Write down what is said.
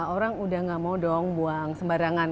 orang udah gak mau dong buang sembarangan